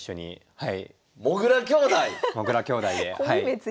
はい。